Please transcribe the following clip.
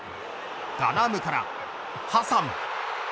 ガナームからハサン。